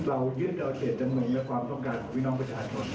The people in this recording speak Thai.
เรายึดเอาเกณฑ์จำนวนและความต้องการของวินองค์ประชาชน